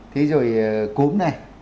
thế rồi cúm này